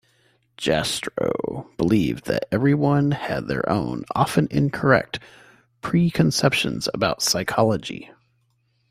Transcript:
Jastrow believed that everyone had their own, often incorrect, preconceptions about psychology.